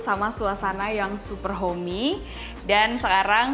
sama suasana yang super homey dan sekarang